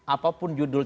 apapun judul tersebut